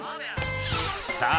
さあ